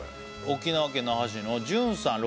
沖縄県那覇市のＪＵＮさん